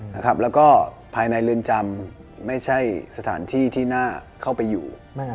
แล้วก็ภายในเรือนจำไม่ใช่สถานที่ที่น่าเข้าไปอยู่